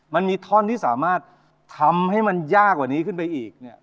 มันมีท่อนที่สามารถทำให้มันยากกว่านี้ขึ้นไปอีกเนี่ย